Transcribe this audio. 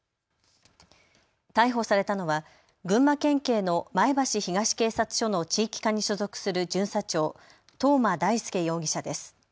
逮捕されたのは群馬県警の前橋東警察署の地域課に所属する巡査長、藤間大介容疑者です。